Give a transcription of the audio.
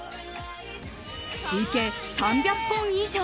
累計３００本以上！